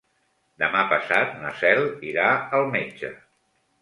Demà passat na Cel irà al metge.